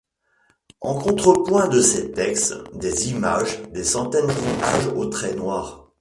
En contrepoint de ces textes, des images, des centaines d'images au trait noir.